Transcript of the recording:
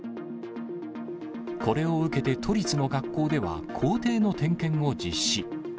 これを受けて都立の学校では校庭の点検を実施。